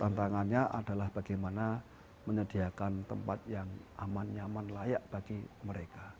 tantangannya adalah bagaimana menyediakan tempat yang aman nyaman layak bagi mereka